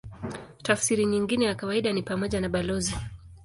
Tafsiri nyingine ya kawaida ni pamoja na balozi.